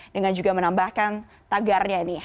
dengan juga menambahkan tagarnya nih